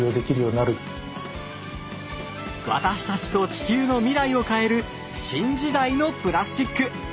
私たちと地球の未来を変える新時代のプラスチック。